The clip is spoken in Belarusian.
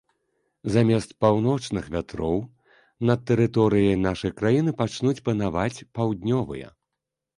Замест паўночных вятроў над тэрыторыяй нашай краіны пачнуць панаваць паўднёвыя.